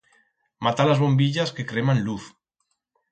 Mata las bombillas que creman luz.